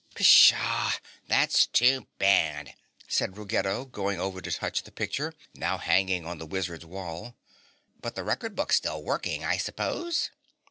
"Pshaw, that's too bad," said Ruggedo, going over to touch the picture, now hanging on the wizard's wall. "But the record book's still working, I suppose?"